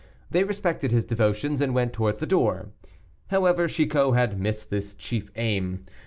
They respected his devotions, and went towards the door. However, Chicot had missed his chief aim.